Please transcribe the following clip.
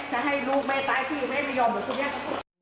จะให้ลูกแม่ตายที่มันไม่ยอมเป็นแบบนี้ครับ